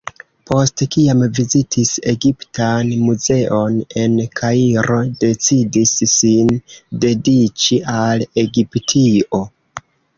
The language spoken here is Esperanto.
Post kiam vizitis Egiptan muzeon en Kairo decidis sin dediĉi al Egiptio.